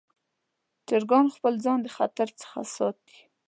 چرګان خپل ځان د خطر څخه ساتي.